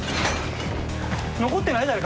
残ってない？